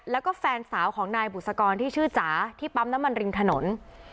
แล้วก็แฟนสาวของนายบุษกรที่ชื่อจ๋าที่ปั๊มน้ำมันริมถนน